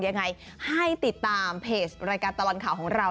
ยังไงให้ติดตามเพจรายการตลอดข่าวของเรา